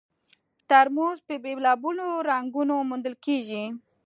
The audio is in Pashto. ترموز په بېلابېلو رنګونو موندل کېږي.